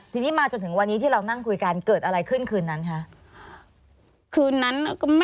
ทีนี้มาจนถึงที่เรายังนั่งคุยกัน